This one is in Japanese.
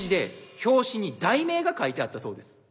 表紙に題名が書いてあったそうです。